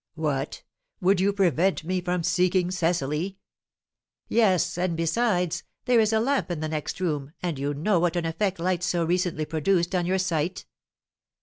"What, would you prevent me from seeking Cecily?" "Yes; and besides, there is a lamp in the next room, and you know what an effect light so recently produced on your sight!"